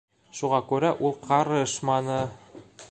Шуға күрә ул ҡарышманы.